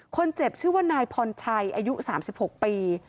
คนเจ็บชื่อว่านายพรชัยอายุ๓๖ปี